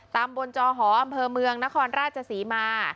ตามบนจอหอมเผอร์เมืองนครราชสีมา